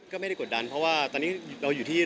ก็ไม่ได้กดดันเพราะว่าตอนนี้เราอยู่ที่